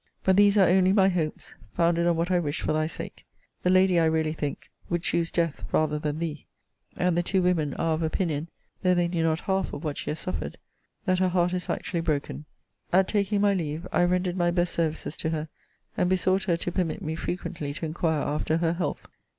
But these are only my hopes, founded on what I wish for thy sake. The lady, I really think, would choose death rather than thee: and the two women are of opinion, though they knew not half of what she has suffered, that her heart is actually broken. At taking my leave, I tendered my best services to her, and besought her to permit me frequently to inquire after her health.